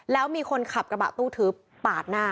แล้วมีคนขับกระบะตู้ทึบปาดหน้า